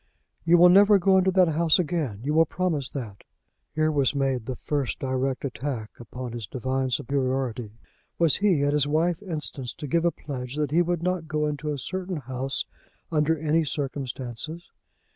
"You will never go into the house again! You will promise that!" Here was made the first direct attack upon his divine superiority! Was he, at his wife's instance, to give a pledge that he would not go into a certain house under any circumstances?